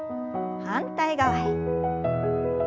反対側へ。